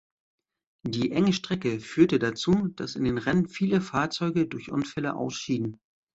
Die enge Strecke führte dazu, dass in den Rennen viele Fahrzeuge durch Unfälle ausschieden.